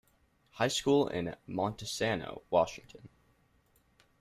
High School in Montesano, Washington.